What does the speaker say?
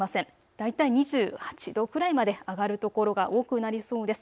大体２８度くらいまで上がる所が多くなりそうです。